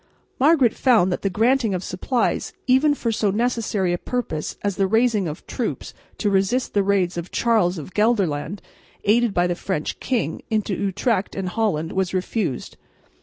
Margaret found that the granting of supplies, even for so necessary a purpose as the raising of troops to resist the raids of Charles of Gelderland, aided by the French king, into Utrecht and Holland, was refused.